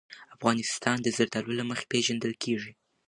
افغانستان د زردالو له مخې پېژندل کېږي.